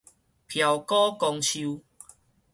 飆古公樹